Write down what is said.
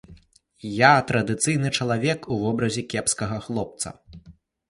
Я традыцыйны чалавек у вобразе кепскага хлопца.